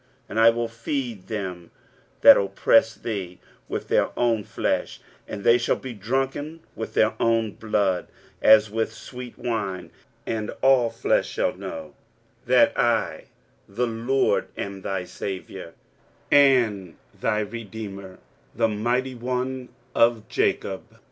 23:049:026 And I will feed them that oppress thee with their own flesh; and they shall be drunken with their own blood, as with sweet wine: and all flesh shall know that I the LORD am thy Saviour and thy Redeemer, the mighty One of Jacob.